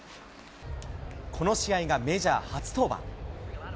この試合がメジャー初登板。